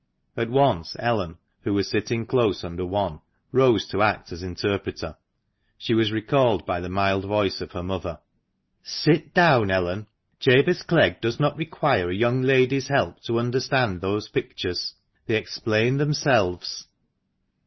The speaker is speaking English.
At. once Ellen, who was sitting close under one, rose to act as interpreter. She was recalled by the mild voice of her mother. " Sit down, Ellen. Jabez Clegg does not require a young lady's help to understand those pictures — they explain themselves."